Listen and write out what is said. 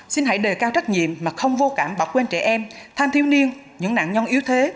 xin hãy đề cao trách nhiệm mà không vô cảm bỏ quên trẻ em than thiếu niên những nạn nhân yếu thế